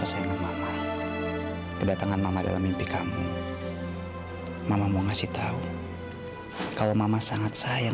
sampai jumpa di video selanjutnya